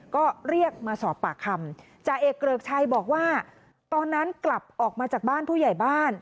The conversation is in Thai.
ก็เรียกมาสอบปากคำ